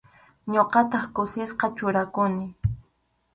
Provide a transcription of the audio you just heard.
Ñuqataq kusisqa churakuni.